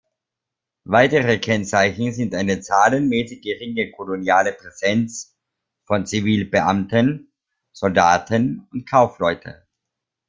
Weitere Kennzeichen sind eine zahlenmäßig geringe koloniale Präsenz von Zivilbeamten, Soldaten und Kaufleuten.